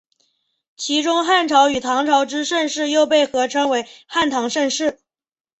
其中汉朝与唐朝之盛世又被合称为汉唐盛世。